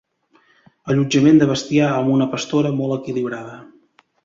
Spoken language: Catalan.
Allotjament de bestiar amb una pastora molt equilibrada.